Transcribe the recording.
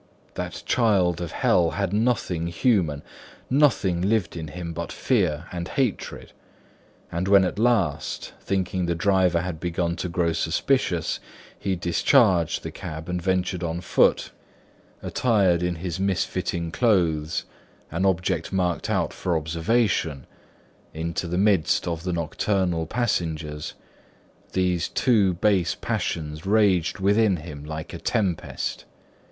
That child of Hell had nothing human; nothing lived in him but fear and hatred. And when at last, thinking the driver had begun to grow suspicious, he discharged the cab and ventured on foot, attired in his misfitting clothes, an object marked out for observation, into the midst of the nocturnal passengers, these two base passions raged within him like a tempest.